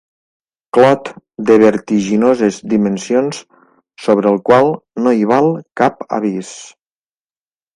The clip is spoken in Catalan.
Clot de vertiginoses dimensions, sobre el qual no hi val cap avís.